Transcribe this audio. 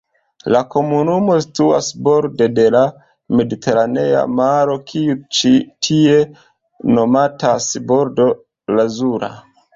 La komunumo situas borde de la Mediteranea Maro, kiu ĉi tie nomatas Bordo Lazura.